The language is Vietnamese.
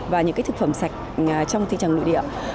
và những thực phẩm sạch trong thị trường nội địa